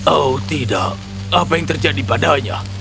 oh tidak apa yang terjadi padanya